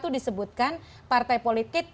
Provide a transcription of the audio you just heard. disebutkan partai politik